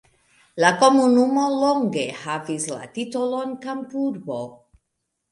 La komunumo longe havis la titolon kampurbo.